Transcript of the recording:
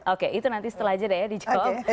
oke itu nanti setelah aja deh ya di jokowi